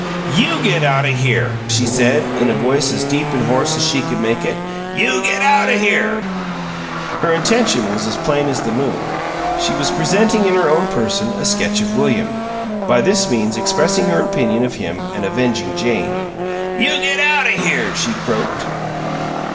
"YOU GET OUT O' HERE!" she said, in a voice as deep and hoarse as she could make it. "YOU GET OUT O' HERE!" Her intention was as plain as the moon. She was presenting in her own person a sketch of William, by this means expressing her opinion of him and avenging Jane. "YOU GET OUT O' HERE!" she croaked.